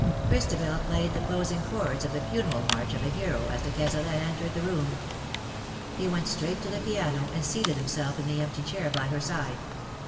Christabel played the closing chords of the Funeral March of a Hero as de Cazalet entered the room. He went straight to the piano, and seated himself in the empty chair by her side.